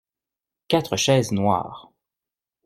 Quatre chaises noires.